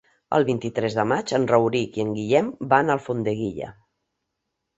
El vint-i-tres de maig en Rauric i en Guillem van a Alfondeguilla.